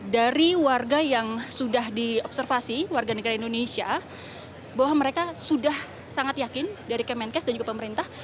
dari warga yang sudah diobservasi warga negara indonesia bahwa mereka sudah sangat yakin dari kemenkes dan juga pemerintah